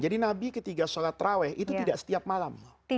jadi nabi ketiga sholat taraweh itu tidak setiap malam